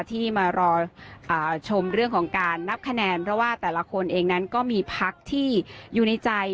ที่มารอชมเรื่องของการนับคะแนนเพราะว่าแต่ละคนเองนั้นก็มีพักที่อยู่ในใจ